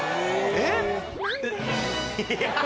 えっ！